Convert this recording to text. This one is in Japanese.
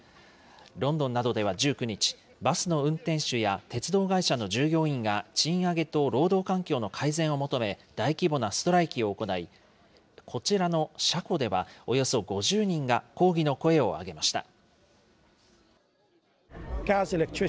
ロンドンなどでは１９日、バスの運転手や鉄道会社の従業員が賃上げと労働環境の改善を求め、大規模なストライキを行い、こちらの車庫では、およそ５０人が抗議の声を上げました。